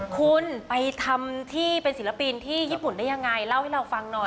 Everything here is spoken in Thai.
คุณไปทำที่เป็นศิลปินที่ญี่ปุ่นได้ยังไงเล่าให้เราฟังหน่อย